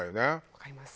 わかります。